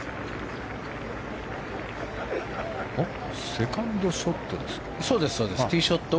セカンドショットです。